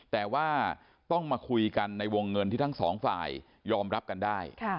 แต่ว่าต้องมาคุยกันในวงเงินที่ทั้งสองฝ่ายยอมรับกันได้